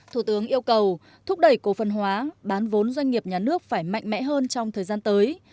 thủ tướng yêu cầu thúc đẩy cổ phần hóa bán vốn doanh nghiệp nhà nước phải mạnh mẽ hơn trong thời gian tới